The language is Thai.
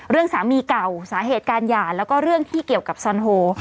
เรื่องสามีเก่าสาเหตุการหย่าแล้วก็เรื่องที่เกี่ยวกับซอนโฮ